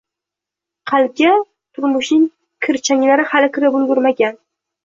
Qalbga turmushning kir-changlari hali kirib ulgurmagan